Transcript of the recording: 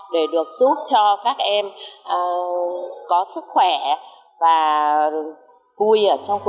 để được giúp cho các em có sức khỏe và vui